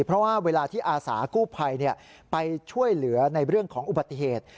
เพราะว่าเวลาที่อาสากู้ภัยไปช่วยเหลือในเรื่องของอุบัติเหตุ